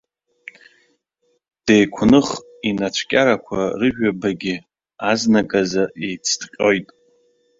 Деиқәных, инацәкьарақәа рыжәабагьы азныказы еицҭҟьоит.